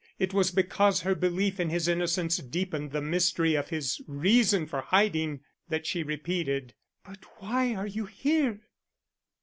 It was because her belief in his innocence deepened the mystery of his reason for hiding that she repeated: "But why are you here?"